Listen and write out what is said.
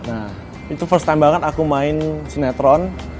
nah itu first time kan aku main sinetron